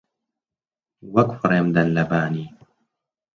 وەک فڕێم دەن لە بانی